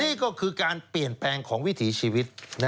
นี่ก็คือการเปลี่ยนแปลงของวิถีชีวิต